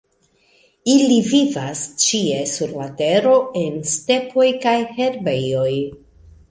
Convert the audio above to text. Ili vivas ĉie sur la Tero, en stepoj kaj herbejoj.